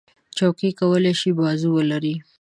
چوکۍ کولی شي بازو ولري.